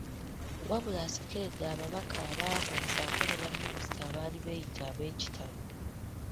Wabula asekeredde ababaka abaagwa ssaako ne baminista abaali beeyita ab’ekitalo .